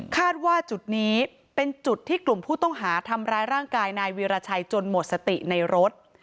ว่าจุดนี้เป็นจุดที่กลุ่มผู้ต้องหาทำร้ายร่างกายนายวีรชัยจนหมดสติในรถ